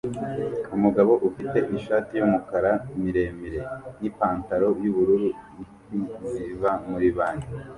Umugabo ufite ishati yumukara miremire n ipantaro yubururu ifi ziva muri banki